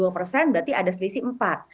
berarti ada selisih empat